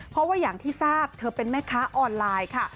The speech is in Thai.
เพราะว่าอย่างที่ทราบเธอเป็นแม่ค้าออนไลน์ค่ะ